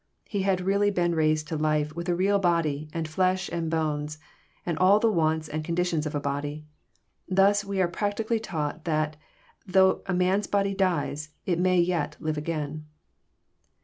He had really been raised to life with a real body, and flesh and bones, and all the wants and conditions of a body. Thus we are practically taught that though a man's body dies, it may yet live a^ain.